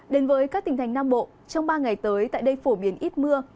đến với các tỉnh thành nam bộ trong ba ngày tới tại đây phổ biến ít mưa